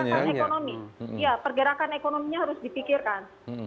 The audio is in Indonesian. ya pergerakan ekonominya harus dipikirkan